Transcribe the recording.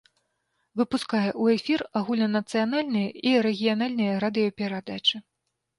Выпускае ў эфір агульнанацыянальныя і рэгіянальныя радыёперадачы.